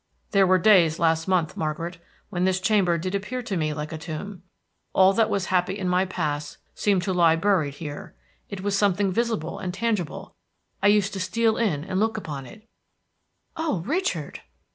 There were days last month, Margaret, when this chamber did appear to me like a tomb. All that was happy in my past seemed to lie buried here; it was something visible and tangible; I used to steal in and look upon it." "Oh, Richard!"